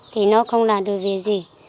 thì nó không làm được gì